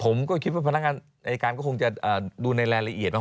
ผมก็คิดว่าพนักงานอายการก็คงจะดูในรายละเอียดเนอ